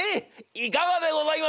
いかがでございます！』。